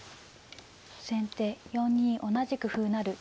先手４二同じく歩成。